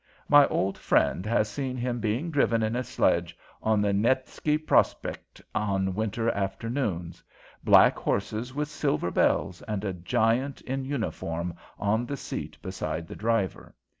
My old friend has seen him being driven in his sledge on the Nevskii Prospekt on winter afternoons; black horses with silver bells and a giant in uniform on the seat beside the driver.